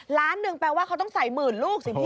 ล้านหนึ่งแปลว่าเขาต้องใส่หมื่นลูกสิพี่